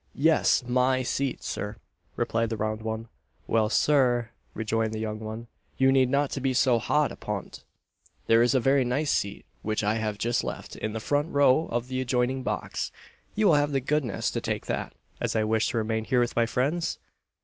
"Yes, my seat, Sir," replied the round one. "Well, Sir," rejoined the young one, "you need not be so hot upon't there is a very nice seat, which I have just left, in the front row of the adjoining box will you have the goodness to take that, as I wish to remain here with my friends?"